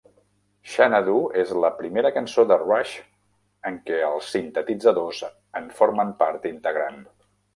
"Xanadu" és la primera cançó de Rush en què els sintetitzadors en formen part integrant.